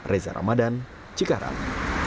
reza ramadan cikarang